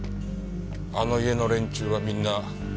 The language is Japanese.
あの家の連中はみんな。